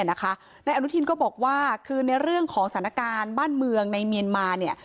นายอนุทินก็บอกว่าคือในเรื่องของสถานการณ์บ้านเมืองในเมียนมาเนี่ย